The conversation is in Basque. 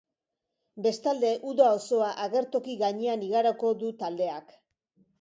Bestalde, uda osoa agertoki gainean igaroko du taldeak.